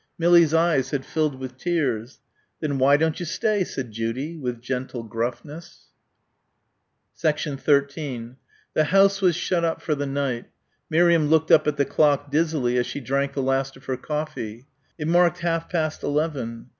Millie's eyes had filled with tears. "Then why don't ye stay?" said Judy, with gentle gruffness. 13 The house was shut up for the night. Miriam looked up at the clock dizzily as she drank the last of her coffee. It marked half past eleven.